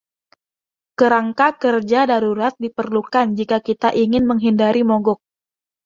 Kerangka kerja darurat diperlukan jika kita ingin menghindari mogok.